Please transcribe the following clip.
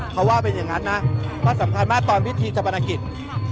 เพราะว่าเป็นอย่างงั้นนะก็สำคัญมากตอนวิธีจับประนักกิจ